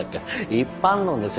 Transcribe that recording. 一般論ですよ